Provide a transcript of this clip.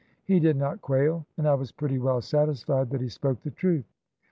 He did not quail, and I was pretty well satisfied that he spoke the truth.